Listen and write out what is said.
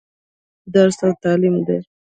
درس او تعليم دى.